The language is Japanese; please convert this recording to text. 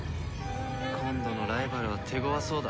今度のライバルは手ごわそうだ。